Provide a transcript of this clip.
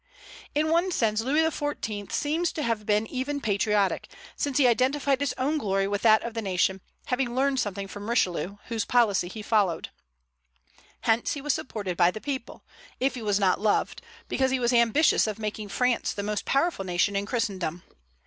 In one sense Louis XIV. seems to have been even patriotic, since he identified his own glory with that of the nation, having learned something from Richelieu, whose policy he followed. Hence he was supported by the people, if he was not loved, because he was ambitious of making France the most powerful nation in Christendom.